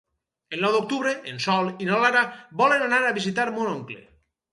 El nou d'octubre en Sol i na Lara volen anar a visitar mon oncle.